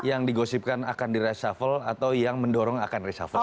yang digosipkan akan di reshuffle atau yang mendorong akan reshuffle